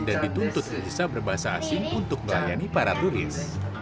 dan dituntut bisa berbahasa asing untuk melayani para turis